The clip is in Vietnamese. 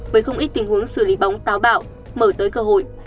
với không ít tình huống xử lý bóng táo bạo mở tới cơ hội